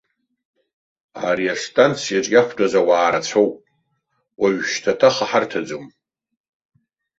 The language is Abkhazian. Ари астанциаҿы иақәтәаз ауаа рацәоуп, уажәшьҭа ҭаха ҳарҭаӡом.